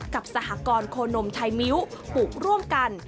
สหกรณ์โคนมไทยมิ้วปลูกร่วมกัน